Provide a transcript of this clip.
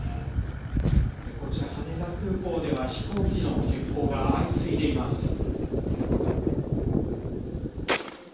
こちら、羽田空港では飛行機の欠航が相次いでいます。